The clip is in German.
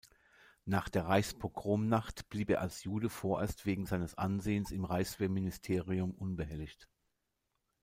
Nach der Reichspogromnacht blieb er als Jude vorerst wegen seines Ansehens im Reichswehrministerium unbehelligt.